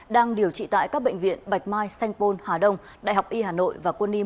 đang điều trị tại các bệnh viện bạch mai sanh pôn hà đông đại học y hà nội và quân y một trăm linh ba